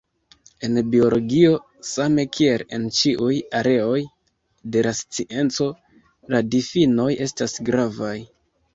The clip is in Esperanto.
En biologio, same kiel en ĉiuj areoj de la scienco, la difinoj estas gravaj.